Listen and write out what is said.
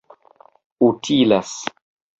utilas